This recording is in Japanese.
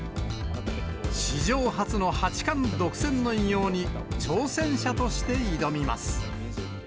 史上初の八冠独占の偉業に挑戦者として挑みます。